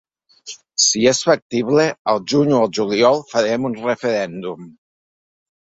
Si és factible, al juny o al juliol farem un referèndum.